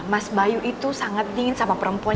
mas bayu itu sangat dingin sama perempuan